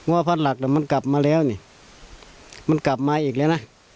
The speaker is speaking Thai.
ว่าพักหลักมันกลับมาแล้วนี่มันกลับมาอีกแล้วนะ